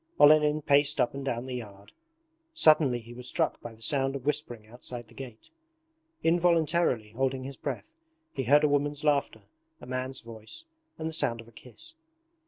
Olenin paced up and down the yard. Suddenly he was struck by the sound of whispering outside the gate. Involuntarily holding his breath, he heard a woman's laughter, a man's voice, and the sound of a kiss.